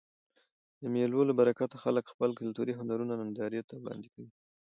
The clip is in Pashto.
د مېلو له برکته خلک خپل کلتوري هنرونه نندارې ته وړاندي کوي.